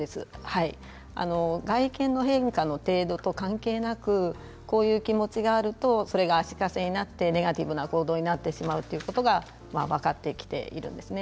外見の変化の程度と関係なくこういう気持ちがあるとそれが足かせになってネガティブな行動になってしまうということが分かってきているんですね。